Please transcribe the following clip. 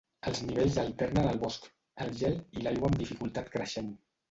Els nivells alternen el bosc, el gel i l'aigua amb dificultat creixent.